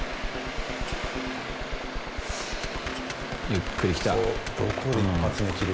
ゆっくり来た。